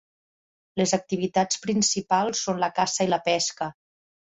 Les activitats principals són la caça i la pesca.